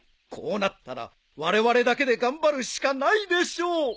こうなったらわれわれだけで頑張るしかないでしょう。